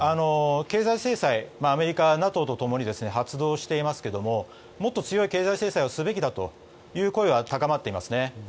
経済制裁アメリカはＮＡＴＯと共に発動していますけどももっと強い経済制裁をすべきだという声が高まっています。